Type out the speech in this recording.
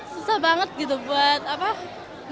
susah banget gitu buat apa